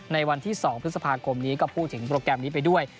ในวันที่๒พฤษภาคมนี้ก็พูดถึงโปรแกรมนี้ไปด้วย